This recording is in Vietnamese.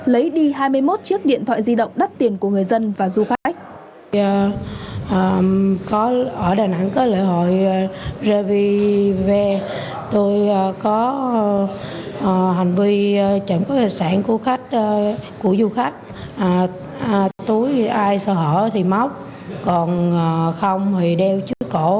lấy đi hai mươi một chiếc điện thoại di động đắt tiền của người dân và du khách